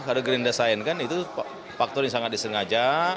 karena green design kan itu faktor yang sangat disengaja